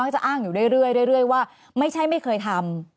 จะอ้างอยู่เรื่อยว่าไม่ใช่ไม่เคยทำ